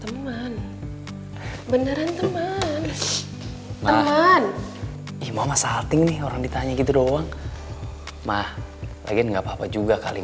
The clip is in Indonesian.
teman beneran teman teman imam asal tinggi orang ditanya gitu doang mah lagi nggak apa juga kali